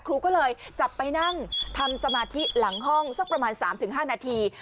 ครูก็เลยจับไปนั่งทำสมาธิหลังห้องสักประมาณ๓๕นาที